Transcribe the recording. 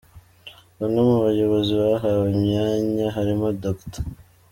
Bamwe mu bayobozi bahawe imyanya harimo Dr.